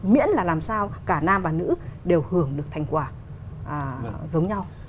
miễn là làm sao cả nam và nữ đều hưởng được thành quả giống nhau